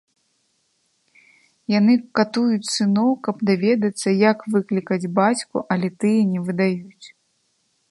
Яны катуюць сыноў, каб даведацца, як выклікаць бацьку, але тыя не выдаюць.